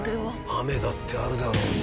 雨だってあるだろうに。